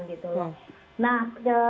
gitu loh nah